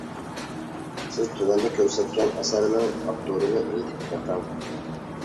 سىز، تۆۋەندە كۆرسەتكەن ئەسەرنىڭ ئاپتورىنى ئېيتىپ بېقىڭ.